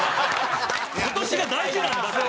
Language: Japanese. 今年が大事なんだって！